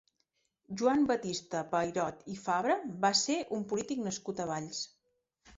Joan Batista Pairot i Fabra va ser un polític nascut a Valls.